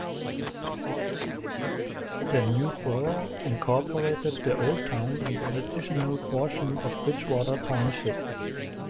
The new borough incorporated the old town and an additional portion of Bridgewater Township.